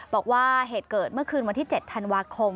บอกว่าเหตุเกิดเมื่อคืนวันที่๗ธันวาคม